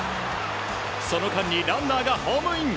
その間にランナーがホームイン。